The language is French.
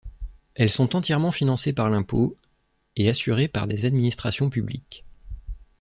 Elles sont entièrement financées par l'impôt et assurées par des administrations publiques.